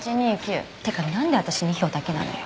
てか何であたし２票だけなのよ。